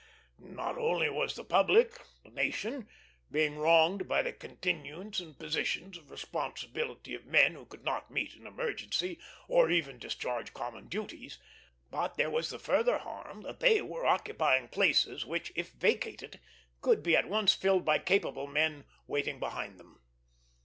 Not only was the public the nation being wronged by the continuance in positions of responsibility of men who could not meet an emergency, or even discharge common duties, but there was the further harm that they were occupying places which, if vacated, could be at once filled by capable men waiting behind them.